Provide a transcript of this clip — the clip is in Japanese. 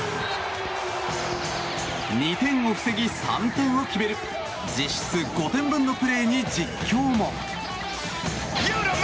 ２点を防ぎ、３点を決める実質５点分のプレーに実況も。